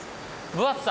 分厚さ。